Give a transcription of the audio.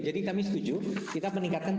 jadi kami setuju kita meningkatkan tiga t